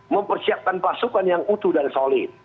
mempersiapkan pasukan yang utuh dan solid